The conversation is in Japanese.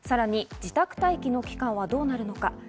自宅待機の期間はどうなるのか。